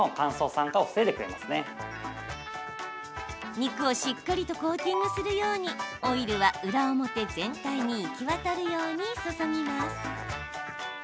肉をしっかりとコーティングするようにオイルは裏表全体に行き渡るように注ぎます。